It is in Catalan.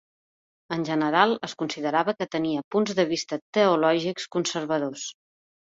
En general es considerava que tenia punts de vista teològics conservadors.